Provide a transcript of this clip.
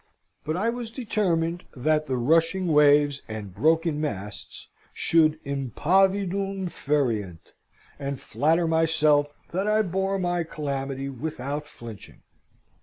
But I was determined that the rushing waves and broken masts should impavidum ferient, and flatter myself that I bore my calamity without flinching.